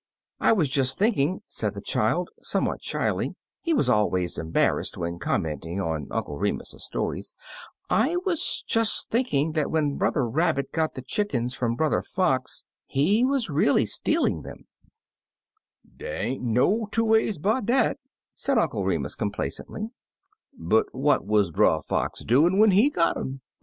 "I was just thinking," said the child, 104 Brother Fox's Family Trouble somewhat shyly — he was always embar rassed when commenting on Uncle Remus's stories — "I was just thinking that when Brother Rabbit got the chickens from Brother Fox, he was really stealing them/' "Dey ain't no two ways *bout dat/' said Uncle Remus complacently, "But what wuz Brer Fox doin' when he got um